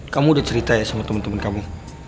kamu udah cerita ya sama temen temen kamu